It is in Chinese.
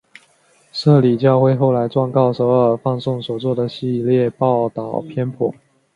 摄理教会后来状告首尔放送所做的系列报导偏颇。